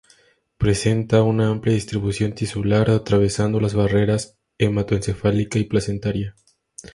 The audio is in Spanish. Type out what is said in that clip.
Presenta una amplia distribución tisular, atravesando las barreras hematoencefálica y placentaria.